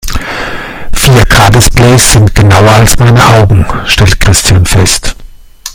Vier-K-Displays sind genauer als meine Augen, stellt Christian fest.